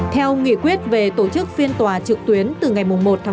theo nghị quyết về tổ chức phiên tòa trực tuyến từ ngày một một hai nghìn hai mươi hai